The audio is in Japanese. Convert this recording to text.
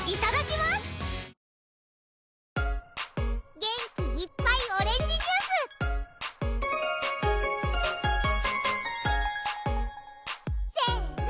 元気いっぱいオレンジジュース！せの！